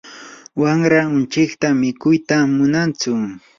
wamraa unchikta mikuyta munantsu.